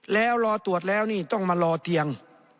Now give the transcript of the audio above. แล้วรอตรวจแล้วนี่ต้องมารอเตียง